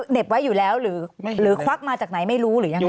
ไว้อยู่แล้วหรือควักมาจากไหนไม่รู้หรือยังไง